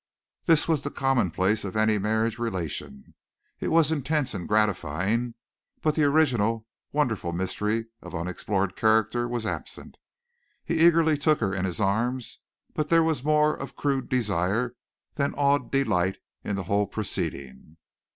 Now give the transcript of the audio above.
This was the commonplace of any marriage relation. It was intense and gratifying, but the original, wonderful mystery of unexplored character was absent. He eagerly took her in his arms, but there was more of crude desire than of awed delight in the whole proceeding.